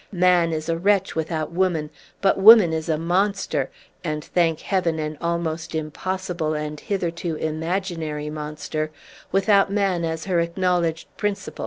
Man is a wretch without woman; but woman is a monster and, thank Heaven, an almost impossible and hitherto imaginary monster without man as her acknowledged principal!